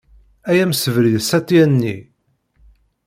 Ay amsebrid s at Yanni.